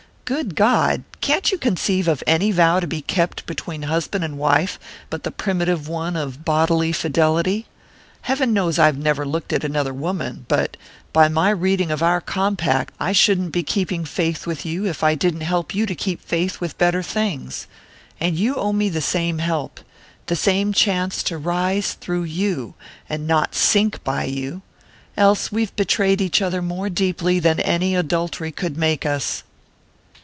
"Good God! Can't you conceive of any vow to be kept between husband and wife but the primitive one of bodily fidelity? Heaven knows I've never looked at another woman but, by my reading of our compact, I shouldn't be keeping faith with you if I didn't help you to keep faith with better things. And you owe me the same help the same chance to rise through you, and not sink by you else we've betrayed each other more deeply than any adultery could make us!"